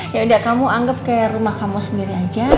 yaudah kamu anggap kayak rumah kamu sendiri aja